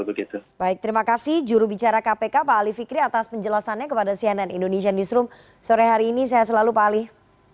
baik terima kasih